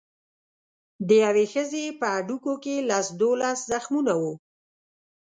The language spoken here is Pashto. د یوې ښځې په هډوکو کې لس دولس زخمونه وو.